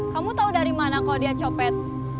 kamu tahu dari mana kalau dia copet